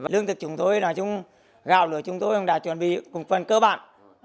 lương thực chúng tôi gạo lửa chúng tôi đã chuẩn bị cùng phần cơ bản